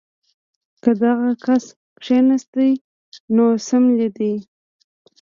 کۀ دغه کس کښېناستے نشي نو څملي دې